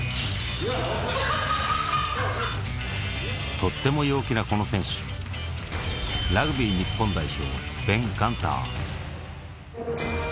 とっても陽気なこの選手ラグビー日本代表